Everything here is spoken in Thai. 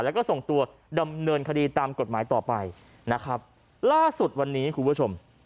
แล้วก็ส่งตัวดำเนินคดีตามกฎหมายต่อไปนะครับล่าสุดวันนี้คุณผู้ชม